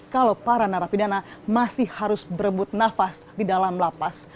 kalau para narapidana masih harus berebut nafas di dalam lapas